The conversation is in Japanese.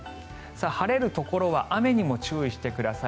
晴れるところは雨にも注意してください。